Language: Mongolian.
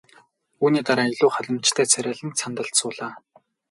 Үүний дараа илүү ханамжтай царайлан сандалд суулаа.